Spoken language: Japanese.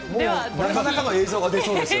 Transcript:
なかなかの映像が出そうですよね。